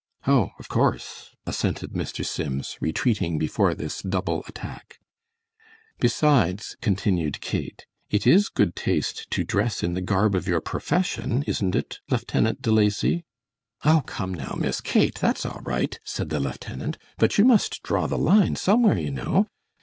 "Oh, of course," assented Mr. Sims, retreating before this double attack. "Besides," continued Kate, "it is good taste to dress in the garb of your profession, isn't it, Lieutenant De Lacy?" "Oh, come now, Miss Kate, that's all right," said the lieutenant, "but you must draw the line somewhere, you know.